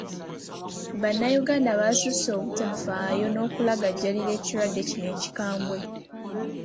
Bannayuganda basusse obutafaayo n’okulagajjalira ekirwadde kino ekikambwe.